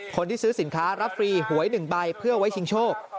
คนที่ซื้อสินค้ารับฟรีหวย๑ใบเพื่อไว้ชิงโชค